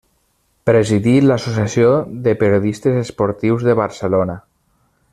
Presidí l'Associació de Periodistes Esportius de Barcelona.